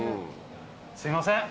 すいません。